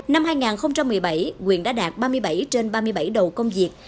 năm hai nghìn một mươi bảy quyền đã đạt ba mươi bảy trên ba mươi bảy đầu công việc